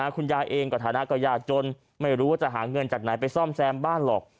กับฐานะกระยะจนไม่รู้ว่าจะหาเงินจากไหนไปซ่อมแซมบ้านหรอก